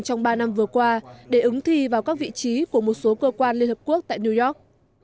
trong ba năm vừa qua để ứng thi vào các vị trí của một số cơ quan liên hợp quốc tại new york